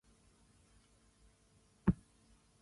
今天我要去外婆家拜年